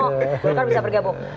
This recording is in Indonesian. golkar bisa bergabung